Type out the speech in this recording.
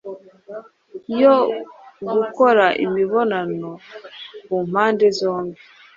yo gukora imibonano kumpande zombi